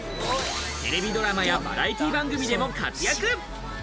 テレビドラマやバラエティー番組でも活躍。